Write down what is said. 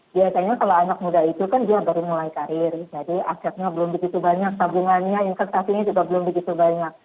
biasanya kalau anak muda itu kan dia baru mulai karir jadi asetnya belum begitu banyak tabungannya investasinya juga belum begitu banyak